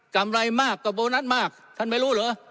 ำไรมากกว่าโบนัสมากท่านไม่รู้เหรอ